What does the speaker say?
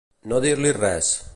No dir-hi res.